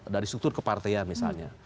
dari struktur ke partai misalnya